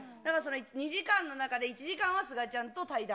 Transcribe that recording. ２時間の中で１時間はすがちゃんと対談。